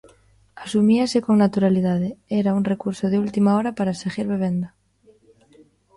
Asumíase con naturalidade, era un recurso de última hora para seguir bebendo.